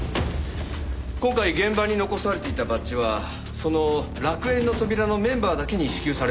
今回現場に残されていたバッジはその楽園の扉のメンバーだけに支給されるものでした。